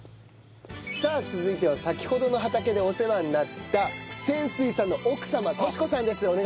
さあ続いては先ほどの畑でお世話になった泉水さんの奥様淑子さんです。